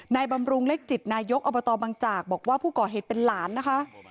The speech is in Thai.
บำรุงเล็กจิตนายกอบตบังจากบอกว่าผู้ก่อเหตุเป็นหลานนะคะ